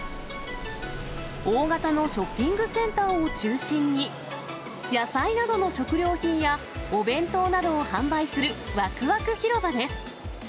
大型のショッピングセンターを中心に、野菜などの食料品やお弁当などを販売するわくわく広場です。